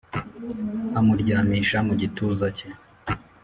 amuryamisha mu gituza cye